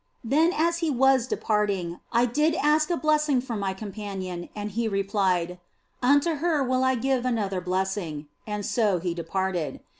Then as He was departing, I did ask a blessing for my companion, and He replied, " Unto her will I give another blessing," and so He departed.